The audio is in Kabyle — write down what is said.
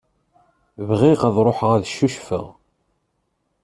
Bɣiɣ ad ṛuḥeɣ ad cucfeɣ.